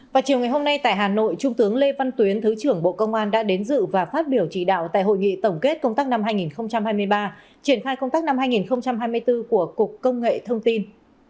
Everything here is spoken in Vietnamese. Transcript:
vào chiều ngày hôm nay tại hà nội trung tướng lê văn tuyến thứ trưởng bộ công an đã đến dự và phát biểu chỉ đạo tại hội nghị tổng kết công tác năm hai nghìn hai mươi ba triển khai công tác năm hai nghìn hai mươi bốn của cục công nghệ thông tin